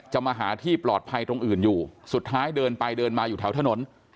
มาหาที่ปลอดภัยตรงอื่นอยู่สุดท้ายเดินไปเดินมาอยู่แถวถนน